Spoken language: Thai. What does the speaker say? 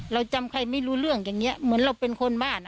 เราจำใครไม่รู้เรื่องอย่างนี้เหมือนเราเป็นคนบ้าน